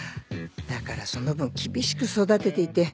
だからその分厳しく育てていて。